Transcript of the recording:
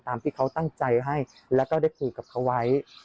ตามที่เขาตั้งใจให้แล้วก็ได้คุยกับเขาไว้